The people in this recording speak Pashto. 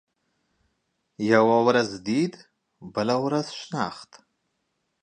يوه ورځ ديد ، بله ورځ شناخت.